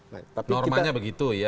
normanya begitu ya